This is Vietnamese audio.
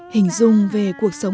hình dung về cuộc sống